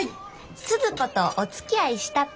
スズ子とおつきあいしたって。